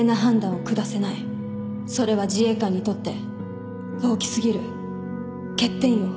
それは自衛官にとって大き過ぎる欠点よ